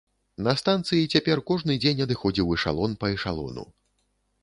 На станцыі цяпер кожны дзень адыходзіў эшалон па эшалону.